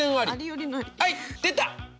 はい出た！